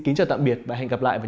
hẹn gặp lại các bạn